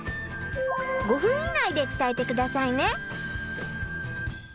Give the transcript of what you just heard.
５分以内でつたえてくださいね！